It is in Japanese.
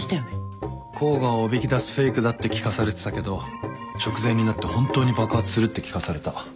甲賀をおびき出すフェイクだって聞かされてたけど直前になって本当に爆発するって聞かされた。